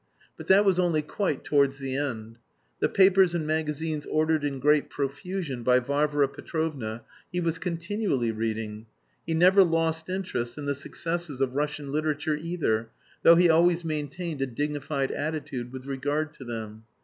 But that was only quite towards the end. The papers and magazines ordered in great profusion by Varvara Petrovna he was continually reading. He never lost interest in the successes of Russian literature either, though he always maintained a dignified attitude with regard to them.